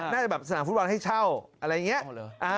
แบบสนามฟุตบอลให้เช่าอะไรอย่างนี้